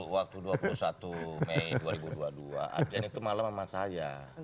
waktu dua puluh satu mei dua ribu dua puluh dua artinya itu malam sama saya